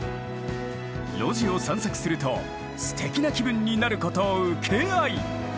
路地を散策するとすてきな気分になること請け合い！